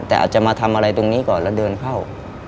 แต่อาจจะมาทำอะไรตรงนี้ก่อนแล้วเดินเข้า